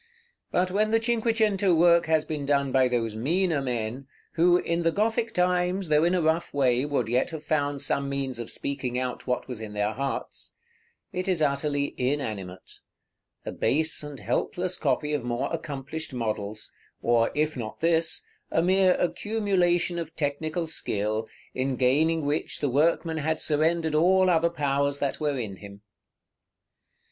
But when the cinque cento work has been done by those meaner men, who, in the Gothic times, though in a rough way, would yet have found some means of speaking out what was in their hearts, it is utterly inanimate, a base and helpless copy of more accomplished models; or, if not this, a mere accumulation of technical skill, in gaining which the workman had surrendered all other powers that were in him.